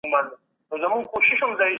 پسرلۍ